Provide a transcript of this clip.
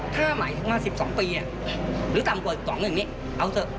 ถ้าหมายถึงมา๑๒ปีหรือต่ำกว่า๒๑นี้เอาเถอะ